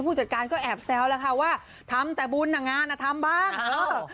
ผู้จัดการก็แอบแซวแล้วค่ะว่าทำแต่บุญน่ะงานอ่ะทำบ้างเออ